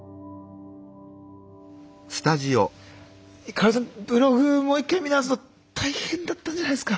香さんブログもう一回見直すの大変だったんじゃないですか？